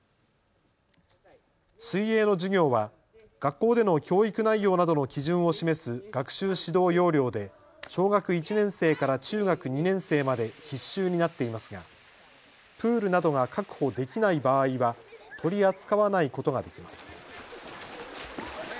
水泳の授業は学校での教育内容などの基準を示す学習指導要領で小学１年生から中学２年生まで必修になっていますがプールなどが確保できない場合は取り扱わないことができます。